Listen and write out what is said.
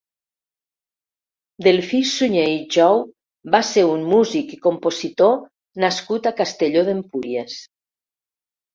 Delfí Suñer i Jou va ser un músic i compositor nascut a Castelló d'Empúries.